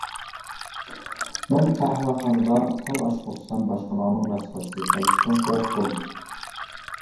مەن قەھۋەخانىدا پال ئاچقۇزسام باشقىلارنىڭ مەسخىرىسىگە قېلىشتىن قورقتۇم.